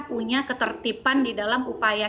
punya ketertiban di dalam upaya